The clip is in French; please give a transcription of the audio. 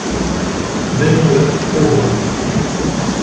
Menons-le au roi!